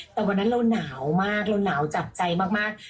แต่วันนั้นเราหนาวมากเราหนาวจับใจมาก